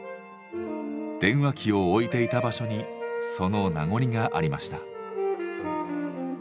電話機を置いていた場所にその名残がありました。